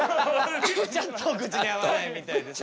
ちょっとお口に合わないみたいですね。